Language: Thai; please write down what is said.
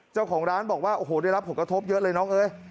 เจ้าของร้านบอกว่าโอ้โหได้รับผลกระทบเยอะเลยน้องเอ้ย